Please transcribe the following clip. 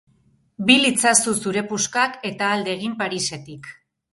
Bil itzazu zure puskak eta alde egin Parisetik.